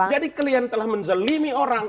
jadi kalian telah menzelimi orang